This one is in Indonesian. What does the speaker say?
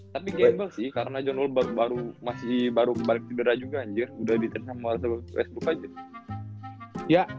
tapi gamble sih karena john wall baru masih kebalik tidur aja juga anjir udah di trade sama russell westbrook aja